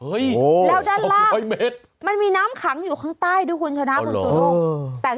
แล้วด้านล่างเม็ดมันมีน้ำขังอยู่ข้างใต้ด้วยคุณชนะคุณสุโลก